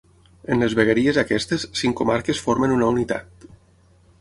En les vegueries aquestes cinc comarques formen una unitat.